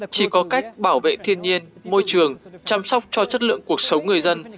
chỉ có cách bảo vệ thiên nhiên môi trường chăm sóc cho chất lượng cuộc sống người dân